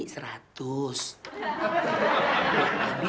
buat abi dua ratus